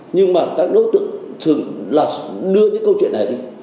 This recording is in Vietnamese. nhưng mà các đối tượng thường là đưa những câu chuyện này đi